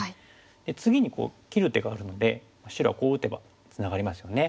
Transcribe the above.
で次にこう切る手があるので白はこう打てばツナがりますよね。